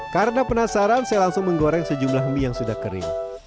karena penasaran saya langsung menggoreng sejumlah mie yang sudah kering